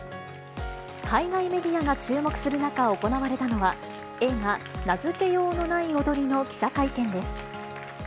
海外メディアが注目する中、行われたのは、映画、名付けようのない踊りの記者会見です。